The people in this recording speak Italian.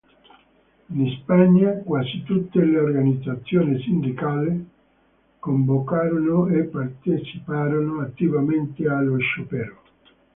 In Spagna quasi tutte le organizzazioni sindacali convocarono e parteciparono attivamente allo sciopero.